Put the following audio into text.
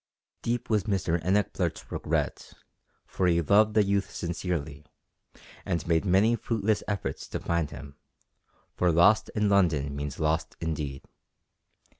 Deep was Mr Enoch Blurt's regret, for he loved the youth sincerely, and made many fruitless efforts to find him for lost in London means lost indeed!